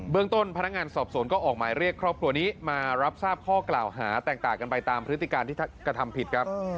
เรื่องต้นพนักงานสอบสวนก็ออกหมายเรียกครอบครัวนี้มารับทราบข้อกล่าวหาแตกต่างกันไปตามพฤติการที่กระทำผิดครับ